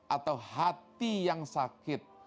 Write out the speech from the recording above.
atau hati yang sakit